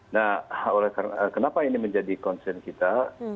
nah kenapa ini menjadi concern kita